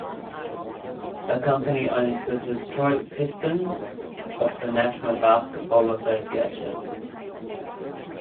The company owns the Detroit Pistons of the National Basketball Association.